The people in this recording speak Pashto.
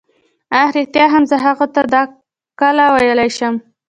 اه ریښتیا هم زه هغو ته دا کله ویلای شم.